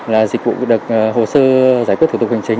là dịch vụ được hồ sơ giải quyết thủ tục hành chính